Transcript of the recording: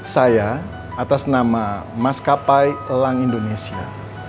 saya atas nama mas kapai lang indonesia